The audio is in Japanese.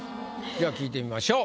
じゃあ聞いてみましょう。